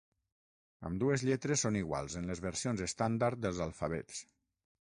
Ambdues lletres són iguals en les versions estàndard dels alfabets.